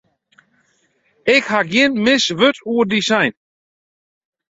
Ik haw gjin mis wurd oer dy sein.